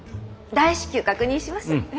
大至急確認します。